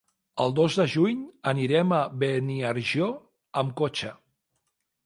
El dos de juny anirem a Beniarjó amb cotxe.